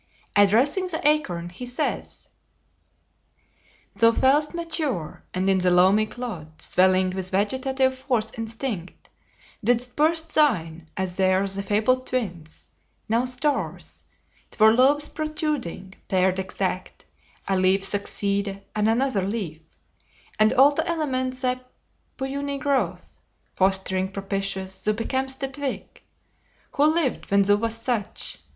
Addressing the acorn he says: "Thou fell'st mature; and in the loamy clod, Swelling with vegetative force instinct, Didst burst thine, as theirs the fabled Twins Now stars; twor lobes protruding, paired exact; A leaf succeede and another leaf, And, all the elements thy puny growth Fostering propitious, thou becam'st a twig. Who lived when thou wast such?